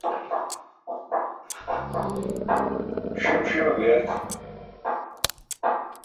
Ṣim ṣime guyarći.